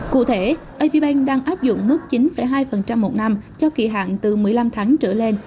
cụ thể aviv bank đang áp dụng mức chín hai một năm cho kỳ hạn từ một mươi năm tháng trở lên